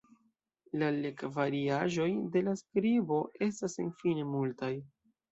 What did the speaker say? La legvariaĵoj de la skribo estas senfine multaj.